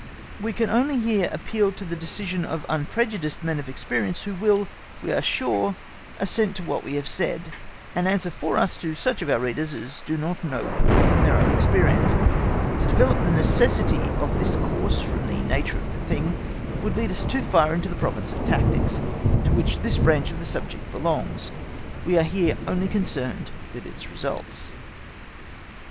We can only here appeal to the decision of unprejudiced men of experience, who will, we are sure, assent to what we have said, and answer for us to such of our readers as do not know War from their own experience. To develop the necessity of this course from the nature of the thing would lead us too far into the province of tactics, to which this branch of the subject belongs; we are here only concerned with its results.